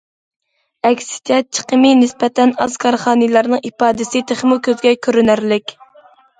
ئەكسىچە، چىقىمى نىسبەتەن ئاز كارخانىلارنىڭ ئىپادىسى تېخىمۇ كۆزگە كۆرۈنەرلىك.